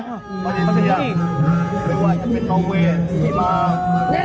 ไม่ว่าจะเป็นเท้าเม็ด